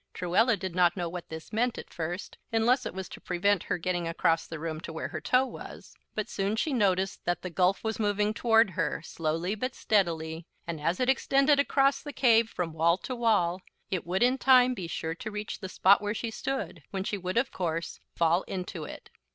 Truella did not know what this meant, at first, unless it was to prevent her getting across the room to where her toe was; but soon she noticed that the gulf was moving toward her, slowly, but steadily; and, as it extended across the cave from wall to wall, it would in time be sure to reach the spot where she stood, when she would, of course, fall into it.